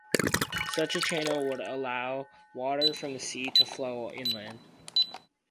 Such a channel would allow water from the sea to flow inland.